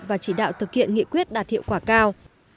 và chỉ đạo thực hiện nghị quyết đạt hiệu quả cao